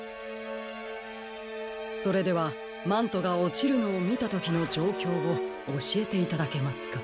それではマントがおちるのをみたときのじょうきょうをおしえていただけますか？